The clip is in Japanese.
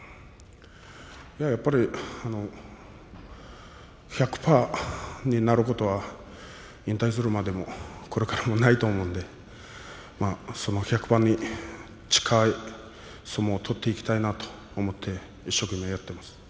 やっぱり、あの１００％になることは引退するまでもこれからもないと思うのでその１００％に近いそういう相撲を取っていきたいなと思って一生懸命やっています。